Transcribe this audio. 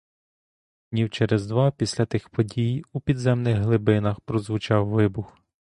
Днів через два після тих подій у підземних глибинах прозвучав вибух.